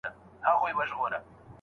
ګډ ژوند کوونکي د بل ځانګړني څنګه پيژني؟